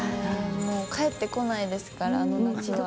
もう帰ってこないですから、あの夏は。